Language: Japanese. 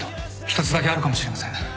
一つだけあるかもしれません